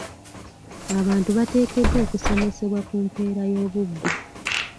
Abantu bateekeddwa okusomesebwa ku mpeera y'obubbi.